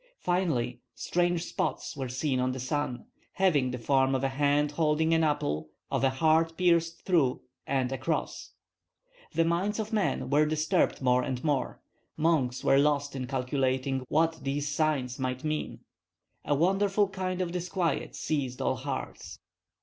Finally, strange spots were seen on the sun, having the form of a hand holding an apple, of a heart pierced through, and a cross. The minds of men were disturbed more and more; monks were lost in calculating what these signs might mean. A wonderful kind of disquiet seized all hearts.